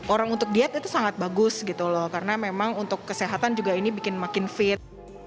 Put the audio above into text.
orang untuk diet itu sangat bagus gitu loh karena memang untuk kesehatan juga ini bikin makin fit